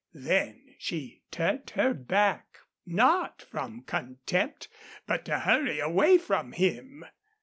Then she turned her back, not from contempt, but to hurry away from him.